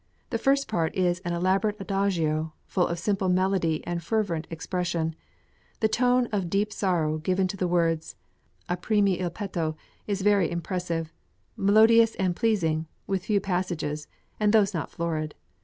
The first part is an elaborate adagio, full of {PREPARATIONS FOR PARIS.} (409) simple melody and fervent expression; the tone of deep sorrow given to the words "aprimi il petto" is very impressive, melodious and pleasing, with few passages, and those not florid.